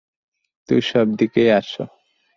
তুমি সব দিকেই আছো।